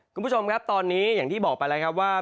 คุณผู้ชมครับตอนนี้อย่างที่บอกไปแล้วครับว่า